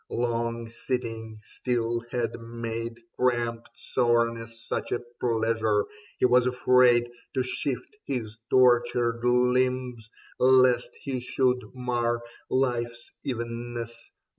Long sitting still had made Cramped soreness such a pleasure, he was afraid To shift his tortured limbs, lest he should mar Life's evenness.